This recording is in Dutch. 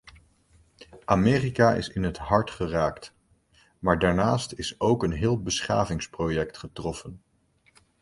Amerika is in het hart geraakt, maar daarnaast is ook een heel beschavingsproject getroffen.